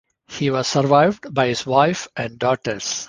He was survived by his wife and daughters.